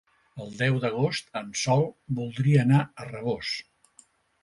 El deu d'agost en Sol voldria anar a Rabós.